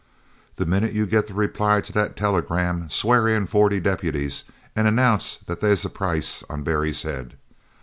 "The minute you get the reply to that telegram swear in forty deputies and announce that they's a price on Barry's head.